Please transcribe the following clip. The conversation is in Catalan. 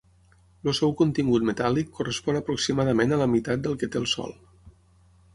El seu contingut metàl·lic correspon aproximadament a la meitat del que té el Sol.